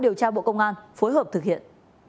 điều tra bộ công an phối hợp thực hiện